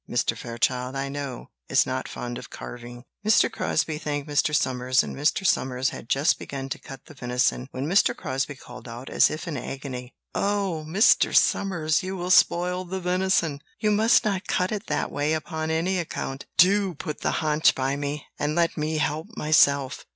Mr. Fairchild, I know, is not fond of carving." Mr. Crosbie thanked Mr. Somers; and Mr. Somers had just begun to cut the venison, when Mr. Crosbie called out, as if in agony: "Oh, Mr. Somers, you will spoil the venison! You must not cut it that way upon any account. Do put the haunch by me, and let me help myself."